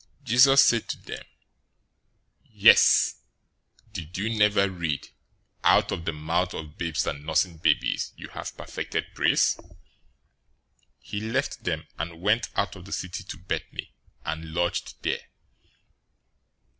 Jesus said to them, "Yes. Did you never read, 'Out of the mouth of babes and nursing babies you have perfected praise?'"{Psalm 8:2} 021:017 He left them, and went out of the city to Bethany, and lodged there.